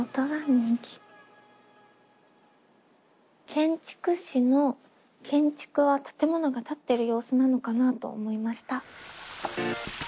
「建築士」の「建築」は建物が建ってる様子なのかなと思いました。